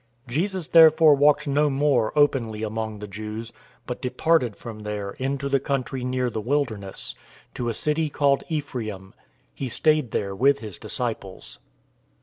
011:054 Jesus therefore walked no more openly among the Jews, but departed from there into the country near the wilderness, to a city called Ephraim. He stayed there with his disciples.